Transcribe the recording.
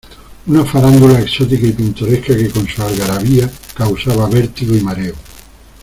una farándula exótica y pintoresca que con su algarabía causaba vértigo y mareo.